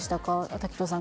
滝藤さん